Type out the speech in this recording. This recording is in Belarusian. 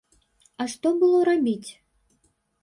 А што было рабіць?